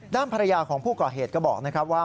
ด้านภรรยาของผู้ก่อเหตุก็บอกนะครับว่า